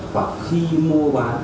hoặc khi mua bán